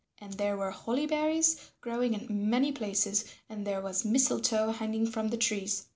And there were holly berries growing in many places, and there was mistletoe hanging from the trees.